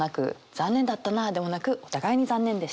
「残念だったな」でもなく「お互いに残念でした！」。